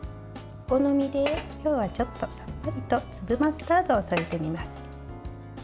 お好みで今日はちょっと粒マスタードを添えてみます。